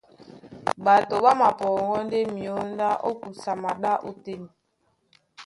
Ɓato ɓá mapɔŋgɔ́ ndé myǒndá ó kusa maɗá ótên.